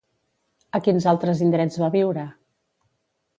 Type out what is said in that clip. A quins altres indrets va viure?